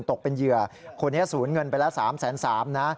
ตกเป็นเหยื่อคนนี้สูญเงินไปแล้ว๓๓๐๐นะ